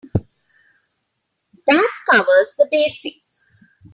That covers the basics.